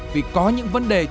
vì có những vấn đề này